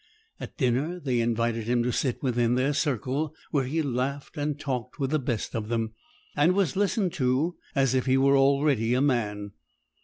At dinner they invited him to sit within their circle, where he laughed and talked with the best of them, and was listened to as if he were already a man.